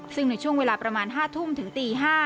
ซึ่งในช่วงเวลาประมาณ๕ทุ่มถึงตี๕